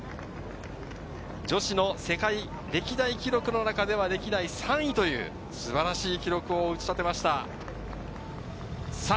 女子の世界歴代記録の中では３位という素晴らしい記録を打ち立てました。